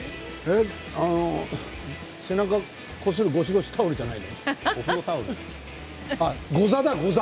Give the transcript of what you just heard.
あの背中をこするゴシゴシタオルじゃない？